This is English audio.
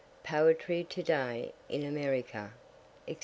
Poetry To day in America, &c.